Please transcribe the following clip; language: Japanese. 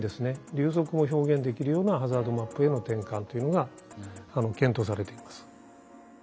流速も表現できるようなハザードマップへの転換というのが検討されています。